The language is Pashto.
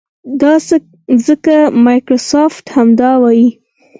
دا ځکه مایکروسافټ همدا وايي.